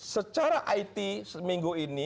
secara it minggu ini